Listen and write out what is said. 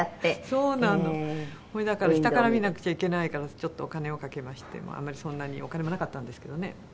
それだから下から見なくちゃいけないからちょっとお金をかけましてもあんまりそんなにお金もなかったんですけどね